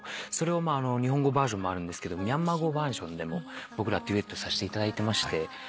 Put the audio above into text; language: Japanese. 日本語バージョンもあるんですけどミャンマー語バージョンでもデュエットさせていただいてまして。